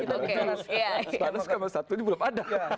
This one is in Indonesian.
sekarang skema satu ini belum ada